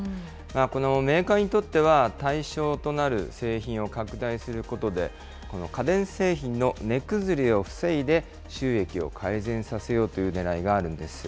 このメーカーにとっては、対象となる製品を拡大することで、この家電製品の値崩れを防いで、収益を改善させようというねらいがあるんです。